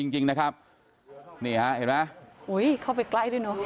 ใช่แน่นอนไม่ใช่ตัวอันนั้นอ่ะ